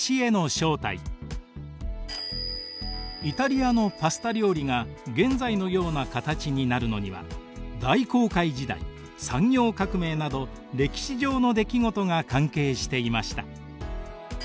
イタリアのパスタ料理が現在のような形になるのには大航海時代産業革命など歴史上の出来事が関係していました。